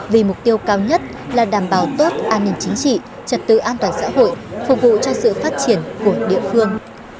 vì mục tiêu cao nhất là đảm bảo tốt an ninh chính trị trật tự an toàn xã hội phục vụ cho sự phát triển của địa phương